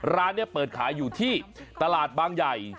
ร้านนี้เปิดขายอยู่ที่ตลาดบางใหญ่